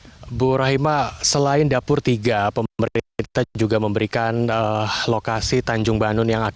ibu rahimah selain dapur tiga pemerintah juga berada di dalam dapur tiga